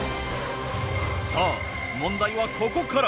さあ問題はここから。